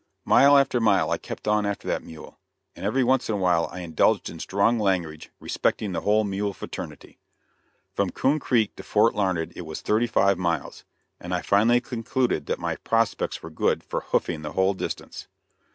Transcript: Mile after mile I kept on after that mule, and every once in a while I indulged in strong language respecting the whole mule fraternity. From Coon Creek to Fort Larned it was thirty five miles, and I finally concluded that my prospects were good for "hoofing" the whole distance.